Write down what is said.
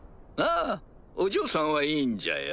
あぁお嬢さんはいいんじゃよ。